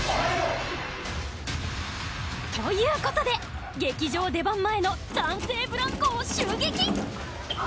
という事で劇場出番前の男性ブランコを襲撃